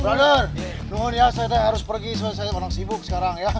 brother tunggu ya saya harus pergi saya orang sibuk sekarang ya